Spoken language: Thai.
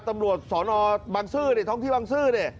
ตำรวจศรอบังซื่อท้องที่บังซื่อ